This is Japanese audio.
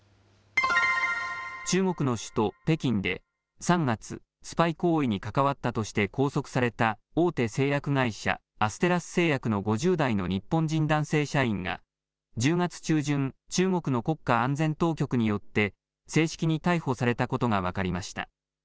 中国の首都、北京で、３月、スパイ行為にかかわったとして拘束された大手製薬会社、アステラス製薬の５０代の日本人男性社員が、１０月中旬、中国の国家安全当局によって正式に逮捕されたことが分かりました。